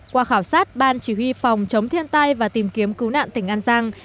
qua khảo sát ban chỉ huy phòng chống thiên tai và tìm kiếm cứu nạn tỉnh an giang